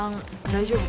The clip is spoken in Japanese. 大丈夫？